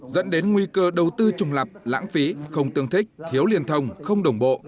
dẫn đến nguy cơ đầu tư trùng lập lãng phí không tương thích thiếu liên thông không đồng bộ